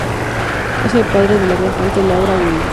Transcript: Es el padre de la cantante, Laura Ulmer.